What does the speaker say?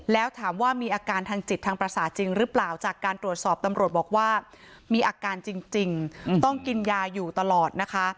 แล้วถามว่ามีอาการทางจิตทางประสาทจริงหรือเปล่าจากการตรวจสอบตำรวจบอกว่ามีอาการจริงต้องกินยาอยู่ตลอดนะคะ